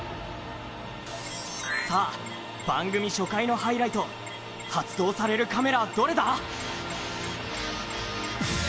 さあ、番組初回のハイライト、発動されるカメラはどれだ？